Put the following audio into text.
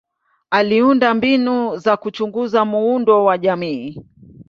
Aliunda mbinu za kuchunguza muundo wa jamii.